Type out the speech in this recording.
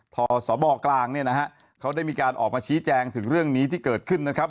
ทศบกลางเนี่ยนะฮะเขาได้มีการออกมาชี้แจงถึงเรื่องนี้ที่เกิดขึ้นนะครับ